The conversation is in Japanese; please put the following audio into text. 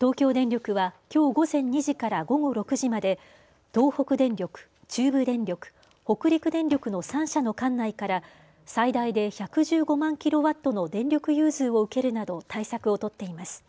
東京電力はきょう午前２時から午後６時まで東北電力、中部電力、北陸電力の３社の管内から最大で１１５万キロワットの電力融通を受けるなど対策を取っています。